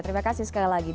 terima kasih sekali lagi